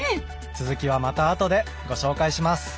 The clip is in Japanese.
続きはまた後でご紹介します。